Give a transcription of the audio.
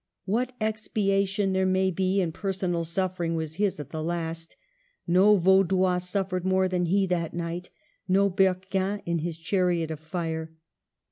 What expiation there may be in personal suffering was his at the last ; no Vaudois suffered more than he that night, no Berquin in his chariot of fire.